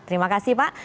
terima kasih pak